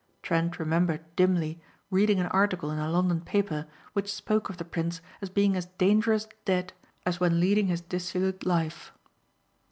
Trent remembered, dimly, reading an article in a London paper which spoke of the prince as being as dangerous dead as when leading his dissolute life.